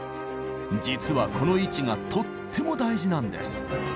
実はこの位置がとっても大事なんです。